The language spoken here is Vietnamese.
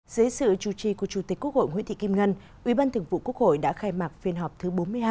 dưới sự chủ trì của chủ tịch quốc hội nguyễn thị kim ngân ủy ban thường vụ quốc hội đã khai mạc phiên họp thứ bốn mươi hai